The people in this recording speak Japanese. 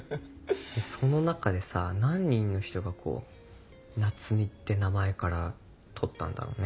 その中でさ何人の人がこう「ナツミ」って名前から取ったんだろうね。